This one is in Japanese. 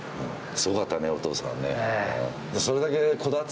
すごかったね、お父さんね。